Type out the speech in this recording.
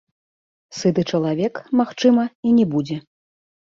Сыты чалавек, магчыма, і не будзе.